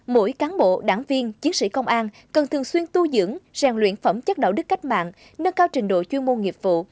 mỗi cán bộ đảng viên chiến sĩ công an cần thường xuyên tu dưỡng rèn luyện phẩm chất đạo đức cách mạng nâng cao trình độ chuyên môn nghiệp vụ